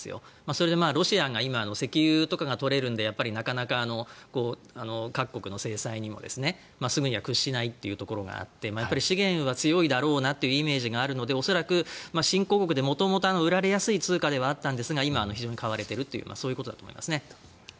それでロシアが今、石油とかが採れるのでやっぱりなかなか各国の制裁にもすぐには屈しないというところがあって資源は強いだろうなというイメージがあるので恐らく、新興国で元々売られやすい通貨ではあったんですが今、相当買われているということだと思いますね。